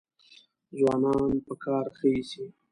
ځوانان په کار ښه ایسي.